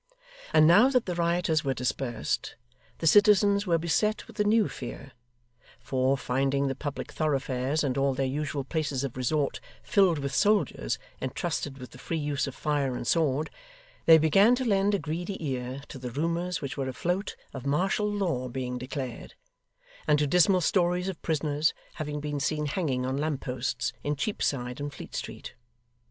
And now that the rioters were dispersed, the citizens were beset with a new fear; for, finding the public thoroughfares and all their usual places of resort filled with soldiers entrusted with the free use of fire and sword, they began to lend a greedy ear to the rumours which were afloat of martial law being declared, and to dismal stories of prisoners having been seen hanging on lamp posts in Cheapside and Fleet Street.